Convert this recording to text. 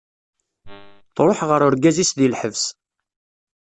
Truḥ ɣer urgaz-is di lḥebs.